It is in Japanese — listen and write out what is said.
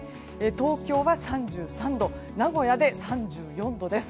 東京は３３度名古屋で３４度です。